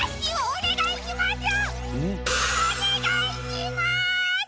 おねがいします！